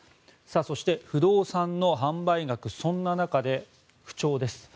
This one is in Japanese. そして不動産の販売額そんな中で、不調です。